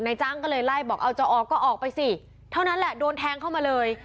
จ้างก็เลยไล่บอกเอาจะออกก็ออกไปสิเท่านั้นแหละโดนแทงเข้ามาเลย